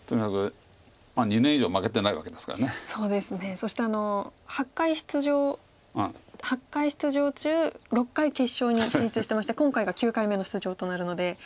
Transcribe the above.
そして８回出場８回出場中６回決勝に進出してまして今回が９回目の出場となるので。